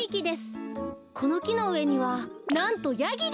このきのうえにはなんとヤギが！